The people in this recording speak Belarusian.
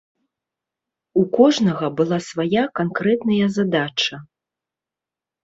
У кожнага была свая канкрэтная задача.